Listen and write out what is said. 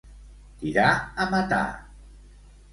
Tirar a matar.